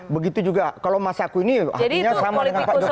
begitu juga kalau mas aku ini hatinya sama dengan pak jokowi